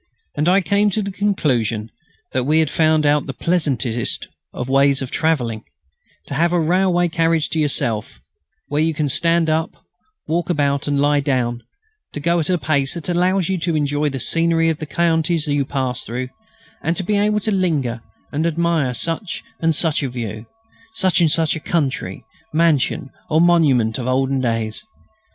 And I came to the conclusion that we had found out the pleasantest way of travelling: to have a railway carriage to yourself, where you can stand up, walk about and lie down; to go at a pace that allows you to enjoy the scenery of the countries you pass through; and to be able to linger and admire such and such a view, such and such a country mansion or monument of olden days!